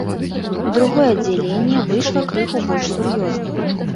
Другое аддзяленне выйшла крыху больш сур'ёзным.